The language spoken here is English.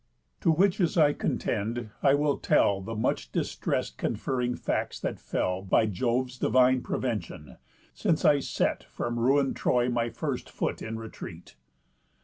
To which as I contended, I will tell The much distress conferring facts that fell By Jove's divine prevention, since I set From ruin'd Troy my first foot in retreat.